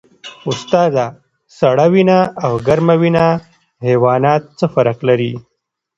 استاده سړه وینه او ګرمه وینه حیوانات څه فرق لري